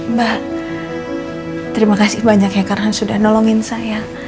mbak terima kasih banyak ya karena sudah nolongin saya